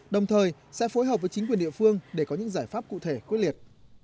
đồng thời sẽ phối hợp với chính quyền địa phương để có những giải pháp cụ thể quyết liệt